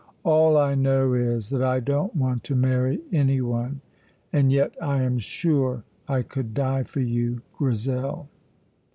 "All I know is that I don't want to marry anyone. And yet I am sure I could die for you, Grizel."